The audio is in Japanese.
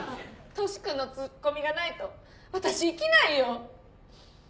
トシ君のツッコミがないと私生きないよ。